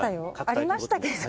ありましたけど。